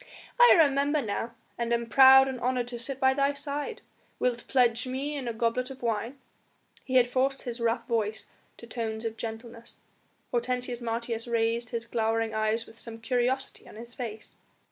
"I remember now and am proud and honoured to sit by thy side; wilt pledge me in a goblet of wine?" He had forced his rough voice to tones of gentleness. Hortensius Martius raised his glowering eyes with some curiosity on his face.